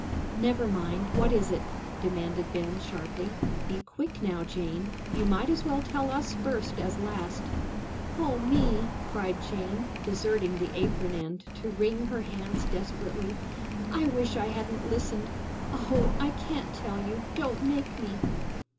"Never mind, what is it?" demanded Ben, sharply. "Be quick now, Jane; you might as well tell us first as last." "O me!" cried Jane, deserting the apron end to wring her hands desperately, "I wish I hadn't listened. Oh, I can't tell you, don't make me!"